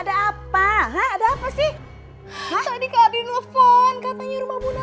sampai jumpa di video selanjutnya